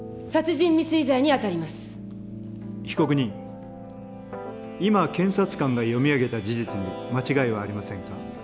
被告人今検察官が読み上げた事実に間違いはありませんか？